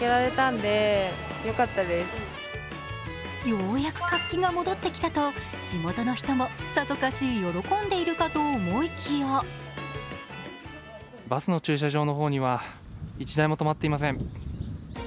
ようやく活気が戻ってきたと地元の人もさぞかし喜んでいるかと思いきやバスの駐車場の方には１台も止まっていません。